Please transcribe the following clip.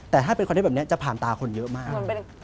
แต่ถ้าเป็นคอนเทนต์แบบนี้จะผ่านตาคนเยอะมาก